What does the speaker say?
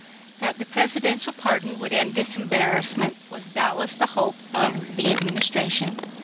That the presidential pardon would end this embarrassment was doubtless the hope of the Administration.